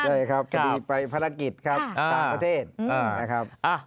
ใช่ครับทีนี้ไปภารกิจครับสหกประเทศ